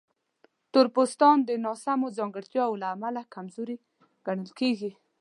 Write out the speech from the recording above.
تور پوستان د ناسمو ځانګړتیاوو له امله کمزوري ګڼل شول.